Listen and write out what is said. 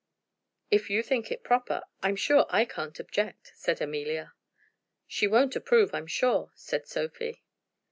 "If you think it proper, I'm sure I can't object," said Amelia. "She won't approve, I'm sure," said Sophie.